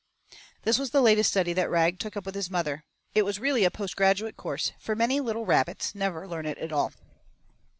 This was the latest study that Rag took up with his mother it was really a post graduate course, for many little rabbits never learn it at all.